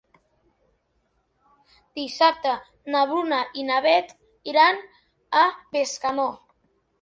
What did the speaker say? Dissabte na Bruna i na Beth iran a Bescanó.